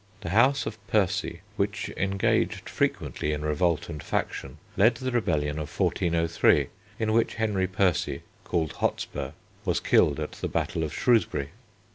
The house of Percy, which engaged frequently in revolt and faction, led the rebellion of 1403 in which Henry Percy, called Hotspur, was killed at the battle of Shrewsbury.